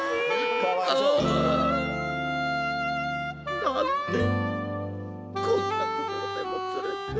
［こんなところでもつれて］